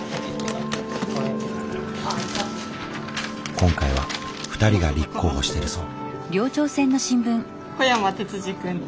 今回は２人が立候補してるそう。